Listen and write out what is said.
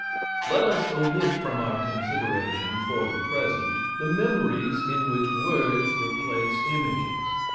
Let us omit from our consideration, for the present, the memories in which words replace images.